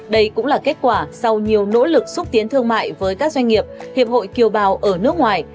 đây cũng là kết quả sau nhiều nỗ lực xúc tiến thương mại với các doanh nghiệp hiệp hội kiều bào ở nước ngoài